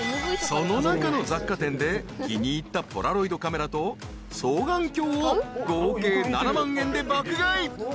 ［その中の雑貨店で気に入ったポラロイドカメラと双眼鏡を合計７万円で爆買い］